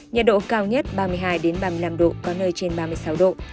nhiệt độ cao nhất ba mươi hai ba mươi năm độ có nơi trên ba mươi sáu độ